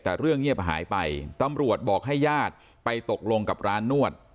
แต่เรื่องเงียบหายไปตำรวจบอกให้ญาติไปตกลงกับร้านนวด